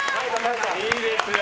いいですよ。